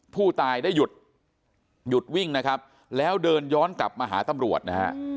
ผู้ตายพอได้หยุดวิ่งแล้วย้อนหมาหาตำรวจ